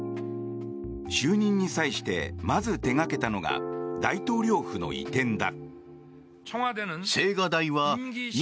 就任に際してまず手掛けたのが大統領府の移転だ。